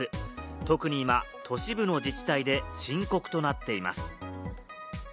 特に今、都市部の自治体で深刻となっています。